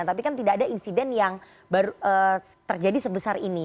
tapi kan tidak ada insiden yang terjadi sebesar ini